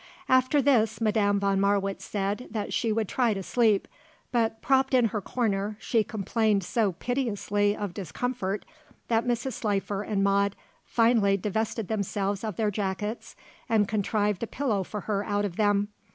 After this Madame von Marwitz said that she would try to sleep; but, propped in her corner, she complained so piteously of discomfort that Mrs. Slifer and Maude finally divested themselves of their jackets and contrived a pillow for her out of them.